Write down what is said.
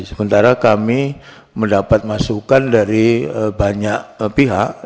sementara kami mendapat masukan dari banyak pihak